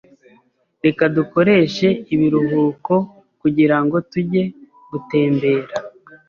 Reka dukoreshe ibiruhuko kugirango tujye gutembera.